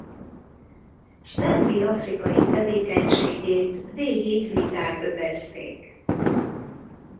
Stanley afrikai tevékenységét végig viták övezték.